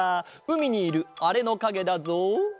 うみにいるあれのかげだぞ。